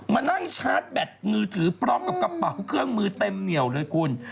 มานั่งชาร์จแบตมือถือพร้อมกับกระเป๋าเครื่องมือเต็มเหนียวเลยคุณ